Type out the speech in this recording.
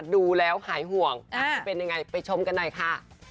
ดูแล้วหายห่วงจะเป็นยังไงไปชมกันหน่อยค่ะ